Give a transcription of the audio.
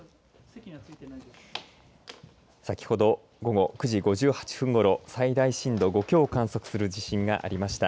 先ほど午後９時５８分ごろ最大震度５強を観測する地震がありました。